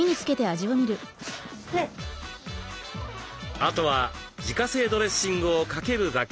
あとは自家製ドレッシングをかけるだけ。